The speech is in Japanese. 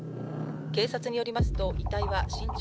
警察によりますと遺体は。